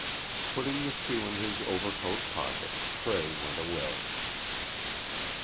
Putting the shoe in his overcoat pocket, Cray went away.